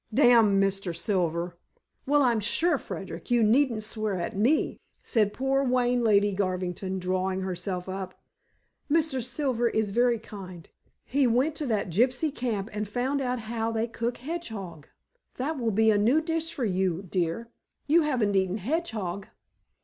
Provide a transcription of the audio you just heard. "Damn Mr. Silver!" "Well, I'm sure, Frederick, you needn't swear at me," said poor, wan Lady Garvington, drawing herself up. "Mr. Silver is very kind. He went to that gypsy camp and found out how they cook hedgehog. That will be a new dish for you, dear. You haven't eaten hedgehog."